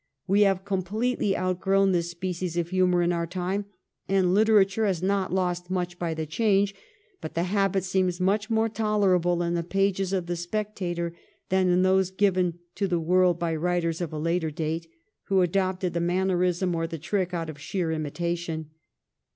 We have completely outgrown this species of humour in our time, and literature has not lost much by the change ; but the habit seems much more tolerable in the pages of ' The Spectator ' than in those given to the world by writers of a later date, who adopted the mannerism or the trick out of sheer imitation.